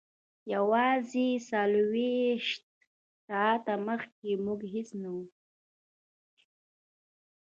یوازې څلور ویشت ساعته مخکې موږ هیڅ نه وو